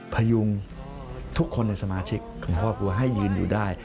พยุงทุกคนในสมาชิกของครอบครัวให้ยืนอยู่ได้